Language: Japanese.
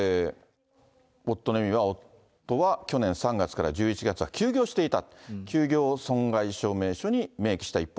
夫は去年３月から１１月は休業していた、休業損害証明書に明記した一方、